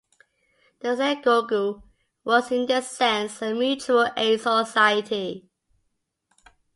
The Synagogue was, in this sense, a mutual aid society.